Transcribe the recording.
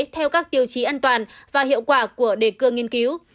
theo các tiêu chí an toàn và hiệu quả của đề cương nghiên cứu